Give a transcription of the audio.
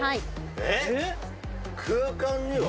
えっえっ空間には？